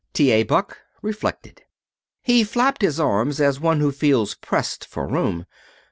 T. A. Buck reflected. He flapped his arms as one who feels pressed for room.